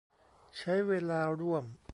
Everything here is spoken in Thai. ใช้เวลาร่วม